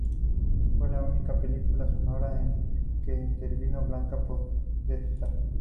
Fue la única película sonora en que intervino Blanca Podestá.